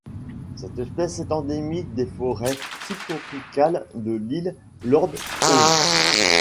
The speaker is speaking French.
Cette espèce est endémique des forêts subtropicales de l'île Lord Howe.